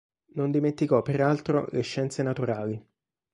Non dimenticò peraltro le scienze naturali.